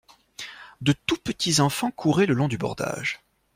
De tous petits enfants couraient le long du bordage.